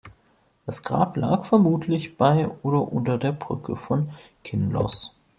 Das Grab lag vermutlich bei oder unter der Brücke von Kinloss.